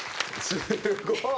すごい。